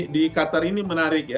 di qatar ini menarik ya